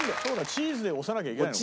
チーズで押さなきゃいけないのか。